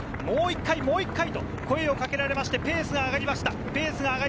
もう１回もう１回と声をかけられてペースが上がりました。